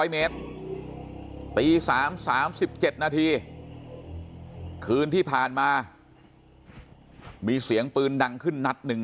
๐เมตรตี๓๓๗นาทีคืนที่ผ่านมามีเสียงปืนดังขึ้นนัดหนึ่ง